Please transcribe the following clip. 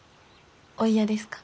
お嫌ですか？